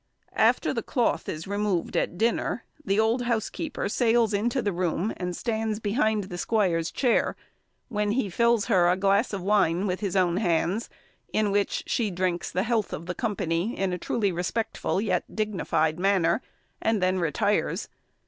After the cloth is removed at dinner, the old housekeeper sails into the room and stands behind the squire's chair, when he fills her a glass of wine with his own hands, in which she drinks the health of the company in a truly respectful yet dignified manner, and then retires.